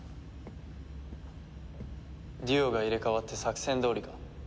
デュオが入れ替わって作戦どおりか？